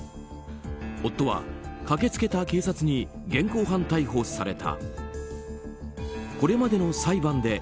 夫は駆けつけた警察に現行犯逮捕された。